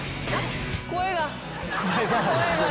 声が。